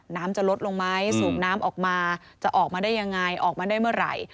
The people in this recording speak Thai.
น้ำจะลดลงไหมสูบน้ำออกมาจะออกมาได้ยังไงออกมาได้เมื่อไหร่